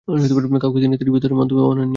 কাউকে তিনি তাঁর ইবাদতের মাধ্যমও বানাননি।